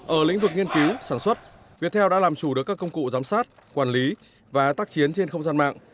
ở lĩnh vực nghiên cứu sản xuất viettel đã làm chủ được các công cụ giám sát quản lý và tác chiến trên không gian mạng